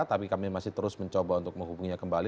tapi kami masih terus mencoba untuk menghubunginya kembali